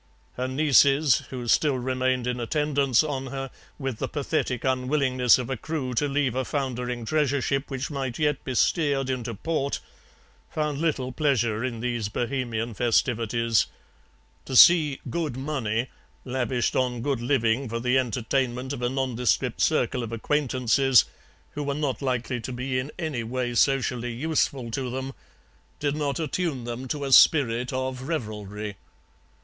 Her nieces, who still remained in attendance on her, with the pathetic unwillingness of a crew to leave a foundering treasure ship which might yet be steered into port, found little pleasure in these Bohemian festivities; to see 'good money' lavished on good living for the entertainment of a nondescript circle of acquaintances who were not likely to be in any way socially useful to them, did not attune them to a spirit of revelry.